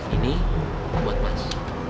ini buat mas